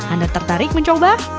anda tertarik mencoba